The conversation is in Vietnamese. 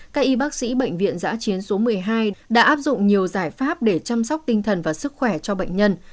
các y bác sĩ bệnh viện giã chiến số một mươi hai đã áp dụng nhiều giải pháp để chăm sóc tinh thần và sức khỏe cho bệnh nhân